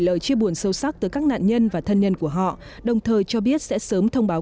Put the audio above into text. lời chia buồn sâu sắc tới các nạn nhân và thân nhân của họ đồng thời cho biết sẽ sớm thông báo